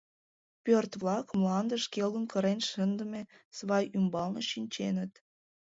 Пӧрт-влак мландыш келгын кырен шындыме свай ӱмбалне шинченыт.